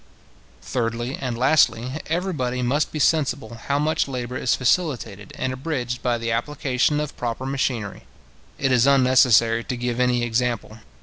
Thirdly, and lastly, everybody must be sensible how much labour is facilitated and abridged by the application of proper machinery. It is unnecessary to give any example.